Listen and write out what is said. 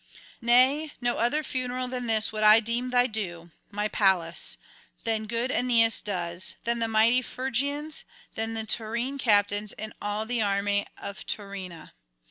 Nay, no other funeral than this would I deem thy due, my Pallas, than good Aeneas does, than the mighty Phrygians, than the Tyrrhene captains and all the army of Tyrrhenia.